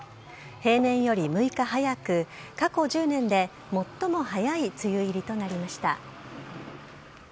平年より６日早く過去１０年で最も早い梅雨入りとなりました。